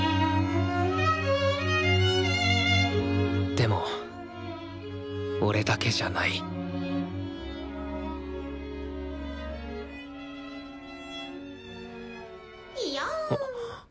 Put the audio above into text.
でも俺だけじゃないいやん。